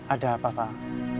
ada apa pak